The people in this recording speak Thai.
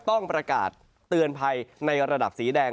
ต้องประกาศเตือนภัยในระดับสีแดง